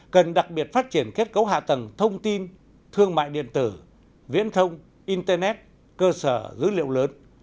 cần đặc biệt phát triển kết cấu hạ tầng thông tin thương mại điện tử viễn thông internet cơ sở dữ liệu lớn